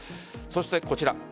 そして、こちら。